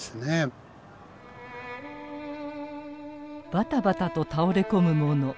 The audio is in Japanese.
バタバタと倒れ込む者。